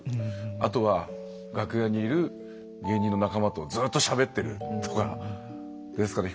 あとは楽屋にいる芸人の仲間とずっとしゃべってるとかですかね。